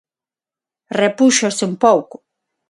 Repúxose un pouco.